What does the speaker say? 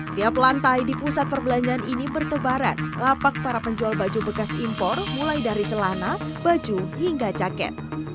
tiap lantai di pusat perbelanjaan ini bertebaran lapak para penjual baju bekas impor mulai dari celana baju hingga jaket